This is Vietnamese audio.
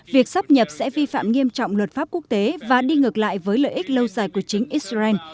việc sắp nhập sẽ vi phạm nghiêm trọng luật pháp quốc tế và đi ngược lại với lợi ích lâu dài của chính israel